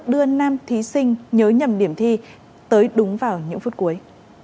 đưa nam thí sinh nhớ nhầm điểm thi tới đúng vào những phút cuối